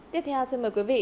tiếp theo xin mời quý vị